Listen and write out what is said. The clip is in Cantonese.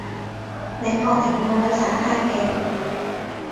你確定要去耍太極？